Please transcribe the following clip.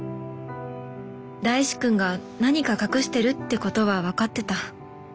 大志くんが何か隠してるってことは分かってた